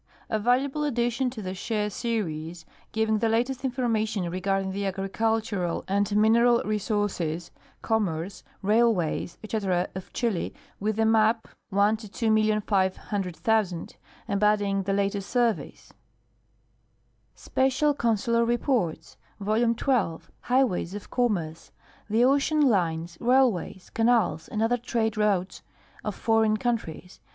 A valuable addition to the Chaix series, giving the latest information regarding the agricultural and mineral resources, commerce, railways,, etc., of Chili, with a map, 1:2,500,000, embodying the latest surveys. Special Consular Reports, Vol. 12 — Highways of Commerce. The ocean lines, railways, canals, and other trade routes of foreign countries.